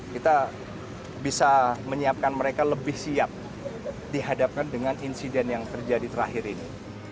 kita bisa menyiapkan mereka lebih siap dihadapkan dengan insiden yang terjadi terakhir ini